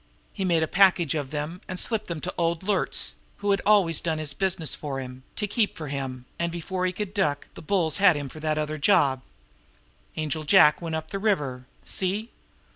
He made a package of them and slipped them to old Luertz, who had always done his business for him, to keep for him; and before he could duck, the bulls had him for that other job. Angel Jack went up the river. See?